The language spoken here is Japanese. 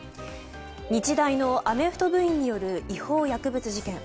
日大のアメフト部員による違法薬物事件。